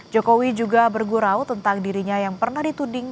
jokowi juga bergurau tentang dirinya yang pernah dituding